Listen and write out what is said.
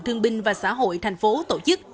thương binh và xã hội thành phố tổ chức